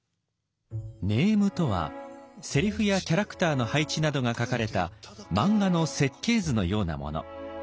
ネームとはセリフやキャラクターの配置などが書かれた漫画の設計図のようなもの。